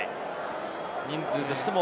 人数としても。